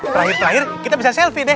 terakhir terakhir kita bisa selfie deh